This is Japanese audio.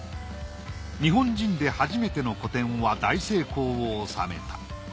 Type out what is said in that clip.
日本人で初めての個展は大成功を収めた。